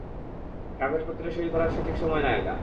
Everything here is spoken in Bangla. কাগজপত্রে সই করার সঠিক সময় না এটা।